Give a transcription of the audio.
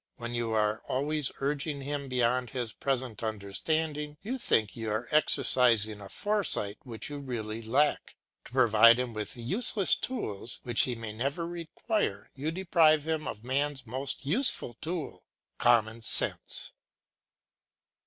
When you are always urging him beyond his present understanding, you think you are exercising a foresight which you really lack. To provide him with useless tools which he may never require, you deprive him of man's most useful tool common sense.